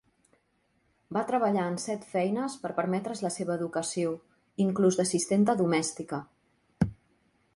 Va treballar en set feines per permetre's la seva educació, inclús d'assistenta domèstica.